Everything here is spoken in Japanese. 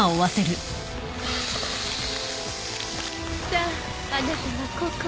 さああなたはここへ。